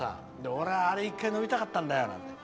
俺はあれ、１回乗りたかったんだよなんて。